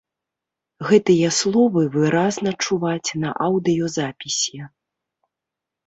Гэтыя словы выразна чуваць на аўдыёзапісе.